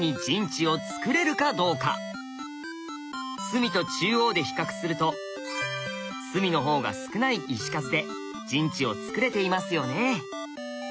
隅と中央で比較すると隅の方が少ない石数で陣地をつくれていますよね。